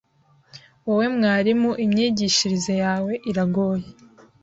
wowe mwarimu imyigishirize yawe iragoye